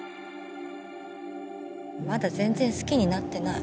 まだ全然好きになってない。